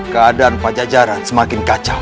keadaan pajajaran semakin kacau